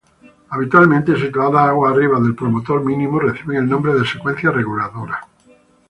Habitualmente situadas aguas arriba del promotor mínimo, reciben el nombre de secuencias reguladoras.